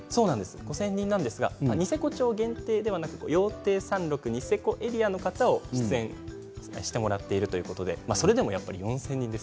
５０００人程度なんですがニセコ町限定ではなく羊蹄山の周りの方が出演していらっしゃるということですがそれでも４０００人です。